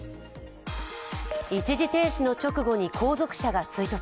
一時停止の直後に後続車が追突。